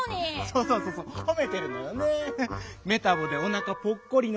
そうそうそうそうほめてるのよねぇ！